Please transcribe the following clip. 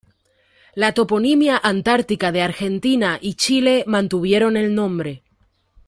La toponimia antártica de Argentina y Chile mantuvieron el nombre.